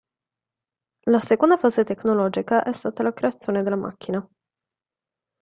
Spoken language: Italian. La seconda fase tecnologica è stata la creazione della macchina.